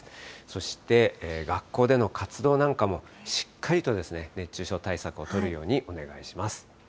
そして学校での活動なんかも、しっかりとですね、熱中症対策を取るようにお願いします。